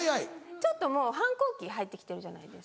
ちょっともう反抗期入って来てるじゃないですか。